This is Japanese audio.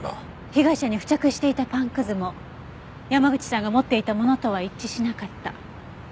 被害者に付着していたパンくずも山口さんが持っていたものとは一致しなかった。